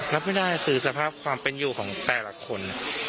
รับไม่ได้คือสภาพความเป็นอยู่ของแต่ละคน